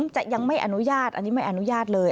จะยังไม่อนุญาตอันนี้ไม่อนุญาตเลย